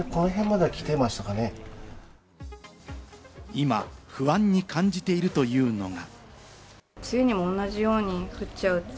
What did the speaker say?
今、不安に感じているというのが。